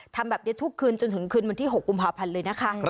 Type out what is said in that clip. ทำแบบนี้ทุกคืนจนถึงคืนวันที่๖กุมภาพันธ์เลยนะคะ